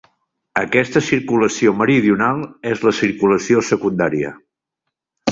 Aquesta circulació meridional és la circulació secundària.